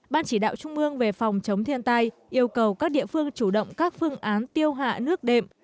ban chỉ đạo trung ương về phòng chống thiên tai yêu cầu các địa phương chủ động các phương án tiêu hạ nước đệm